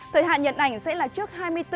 thời hạn nhận ảnh sẽ là trước hai mươi bốn h